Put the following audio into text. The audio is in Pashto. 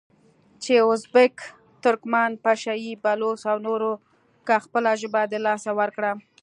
چې ازبک، ترکمن، پشه یي، بلوڅ او نورو که خپله ژبه د لاسه ورکړه،